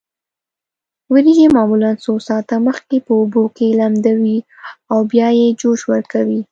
وریجې معمولا څو ساعته مخکې په اوبو کې لمدوي او بیا یې جوش ورکوي.